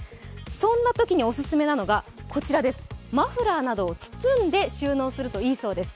そんなときにオススメなのがマフラーなどを包んで収納するといいそうです。